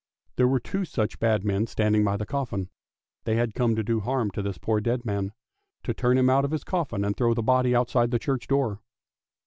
There were two such bad men standing by the coffin. They had come to do harm to this poor dead man; to turn him out of his coffin and throw the body outside the church door.